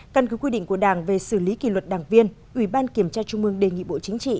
căn cứ quy định của đảng về xử lý kỷ luật đảng viên ủy ban kiểm tra trung mương đề nghị bộ chính trị